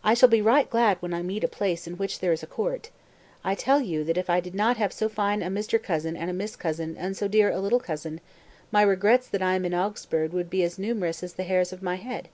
190. "I shall be right glad when I meet a place in which there is a court. I tell you that if I did not have so fine a Mr. Cousin and Miss Cousin and so dear a little cousin, my regrets that I am in Augsburg would be as numerous as the hairs of my head."